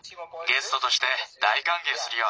ゲストとして大かんげいするよ。